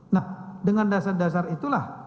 nah dengan dasar dasar itulah